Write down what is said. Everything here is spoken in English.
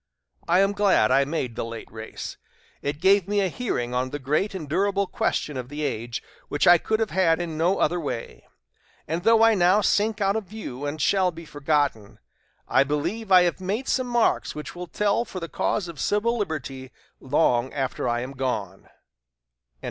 I am glad I made the late race. It gave me a hearing on the great and durable question of the age, which I could have had in no other way; and though I now sink out of view, and shall be forgotten, I believe I have made some marks which will tell for the cause of civil liberty long after I am gone."